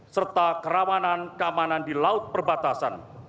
serta kerawanan keamanan di laut perbatasan